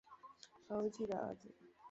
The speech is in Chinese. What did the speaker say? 何无忌的儿子。